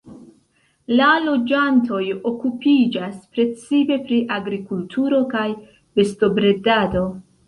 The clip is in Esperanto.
La loĝantoj okupiĝas precipe pri agrikulturo kaj bestobredado.